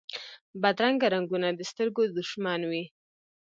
بدرنګه رنګونه د سترګو دشمن وي